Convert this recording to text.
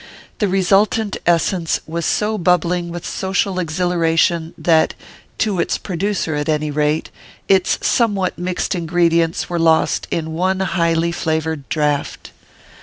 The resultant essence was so bubbling with social exhilaration that, to its producer at any rate, its somewhat mixed ingredients were lost in one highly flavoured draught.